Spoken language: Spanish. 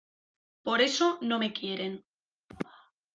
Por eso no me quieren.